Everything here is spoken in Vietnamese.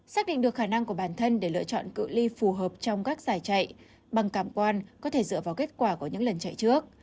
xác định được khả năng của bản thân để lựa chọn cự li phù hợp trong các giải chạy bằng cảm quan có thể dựa vào kết quả của những lần chạy trước